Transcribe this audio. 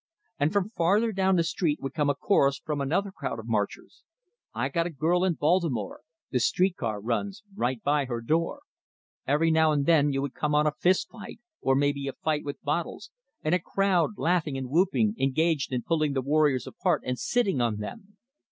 And from farther down the street would come a chorus from another crowd of marchers: I got a girl in Baltimore, The street car runs right by her door. Every now and then you would come on a fist fight, or maybe a fight with bottles, and a crowd, laughing and whooping, engaged in pulling the warriors apart and sitting on them.